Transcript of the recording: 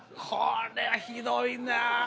これはひどいなぁ。